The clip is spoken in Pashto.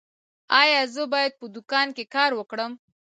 ایا زه باید په دوکان کې کار وکړم؟